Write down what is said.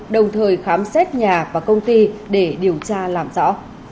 đồng thời khám xét nhà và công ty để điều tra làm rõ